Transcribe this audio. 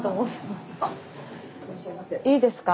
いいですか？